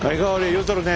言うとるね